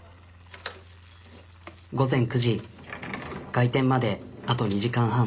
午前９時開店まであと２時間半。